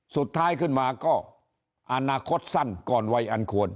สุดท้ายขึ้นมาก็อนาคตสั้นก่อนวัยอันควร